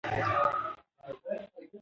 سیمینارونه د څه لپاره دي؟